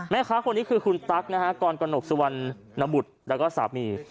แม่ค้าคนนี้คือคุณตั๊กนะครับกรกรสวรรค์สวรรค์หนบุรตแล้วก็สามี